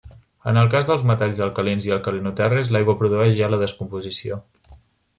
En el cas dels metalls alcalins i alcalinoterris l’aigua produeix ja la descomposició.